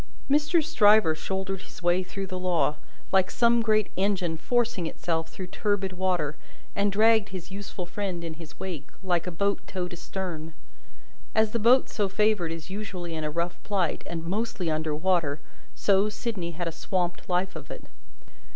Mr. Stryver shouldered his way through the law, like some great engine forcing itself through turbid water, and dragged his useful friend in his wake, like a boat towed astern. As the boat so favoured is usually in a rough plight, and mostly under water, so, Sydney had a swamped life of it.